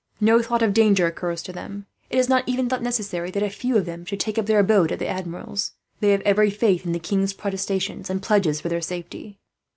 "No thought of danger occurs to them. It is not even thought necessary that a few of them should take up their abode at the Admiral's. They have every faith in the king's protestations and pledges for their safety."